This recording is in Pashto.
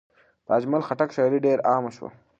د اجمل خټک شاعري ډېر عامه شوه.